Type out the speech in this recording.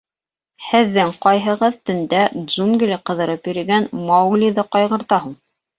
Һеҙҙең ҡайһығыҙ төндә джунгли ҡыҙырып йөрөгән Мауглиҙы ҡайғырта һуң?